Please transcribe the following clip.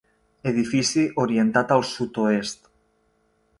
Edifici orientat al sud-oest.